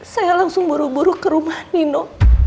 saya langsung buru buru ke rumah nino